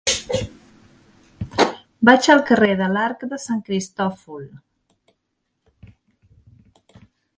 Vaig al carrer de l'Arc de Sant Cristòfol.